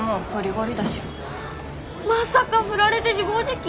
まさか振られて自暴自棄？